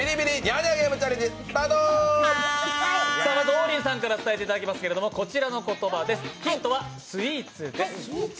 王林さんからやっていただきますけどこちらの言葉です、ヒントはスイーツです。